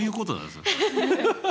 それ。